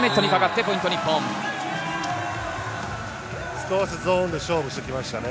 少しゾーンで勝負してきましたね。